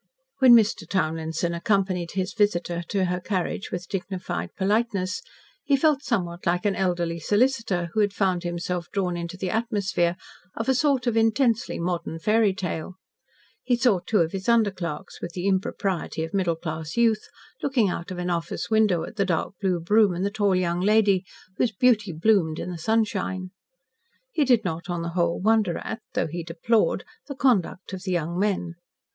When Mr. Townlinson accompanied his visitor to her carriage with dignified politeness he felt somewhat like an elderly solicitor who had found himself drawn into the atmosphere of a sort of intensely modern fairy tale. He saw two of his under clerks, with the impropriety of middle class youth, looking out of an office window at the dark blue brougham and the tall young lady, whose beauty bloomed in the sunshine. He did not, on the whole, wonder at, though he deplored, the conduct of the young men.